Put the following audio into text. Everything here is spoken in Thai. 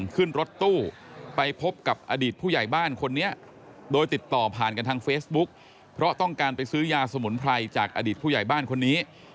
ขึ้นรถตู้ไปพบกับอดีตผู้ใหญ่บ้านคนนี้